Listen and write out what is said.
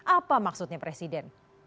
apa maksudnya presiden